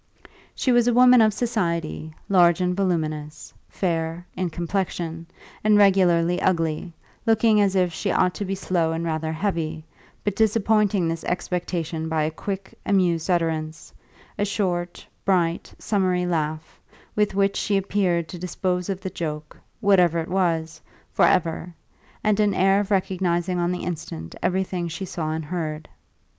She was a woman of society, large and voluminous, fair (in complexion) and regularly ugly, looking as if she ought to be slow and rather heavy, but disappointing this expectation by a quick, amused utterance, a short, bright, summary laugh, with which she appeared to dispose of the joke (whatever it was) for ever, and an air of recognising on the instant everything she saw and heard.